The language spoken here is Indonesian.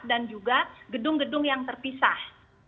dan juga gedung gedung yang terpisah